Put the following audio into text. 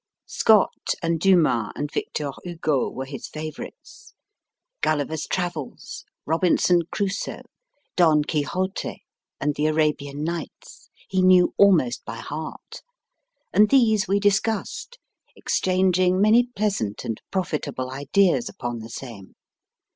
Scott and Dumas and Victor Hugo were his favourites. * Gulliver s Travels, Robinson Crusoe, Don Quixote, and the Arabian Nights, he knew almost by heart, and these we discussed, exchanging many pleasant and profitable ideas upon the same.